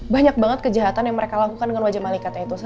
banyak banget kejahatan yang mereka lakukan dengan wajah malaikat itu